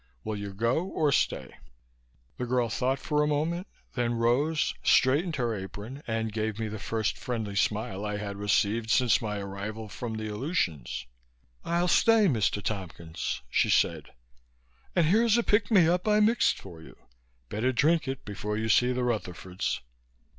Will you go or stay?" The girl thought for a moment, then rose, straightened her apron and gave me the first friendly smile I had received, since my arrival from the Aleutians. "I'll stay, Mr. Tompkins," she said. "And here's a pick me up I mixed for you. Better drink it before you see the Rutherfords."